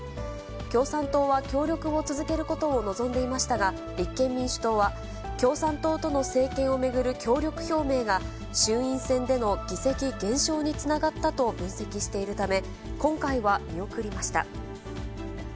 共産党は協力を続けることを望んでいましたが、立憲民主党は、共産党との政権を巡る協力表明が、衆院選での議席減少につながったと分析しているため、今回は見送りました。